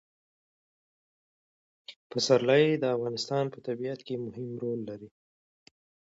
پسرلی د افغانستان په طبیعت کې مهم رول لري.